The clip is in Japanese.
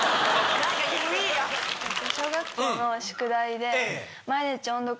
小学校の宿題で。